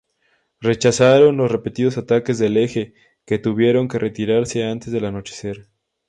Rechazaron los repetidos ataques del Eje, que tuvieron que retirarse antes del anochecer.